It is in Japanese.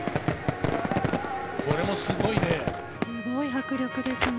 これもすごいね。